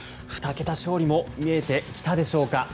２桁勝利も見えてきたでしょうか。